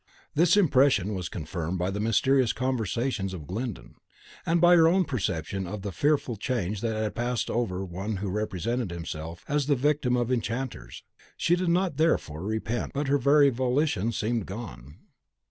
This impression was confirmed by the mysterious conversations of Glyndon, and by her own perception of the fearful change that had passed over one who represented himself as the victim of the enchanters. She did not, therefore, repent; but her very volition seemed gone.